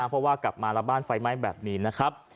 เพราะว่ากลับมาแล้วบ้านไฟไหม้แบบนี้นะครับ